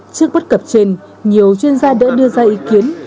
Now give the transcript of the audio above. trước bất cập trên nhiều chuyên gia đã đưa ra ý kiến